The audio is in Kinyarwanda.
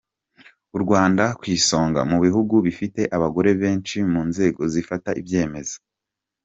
U Rwanda ku isonga mu bihugu bifite abagore benshi mu nzego zifata ibyemezo.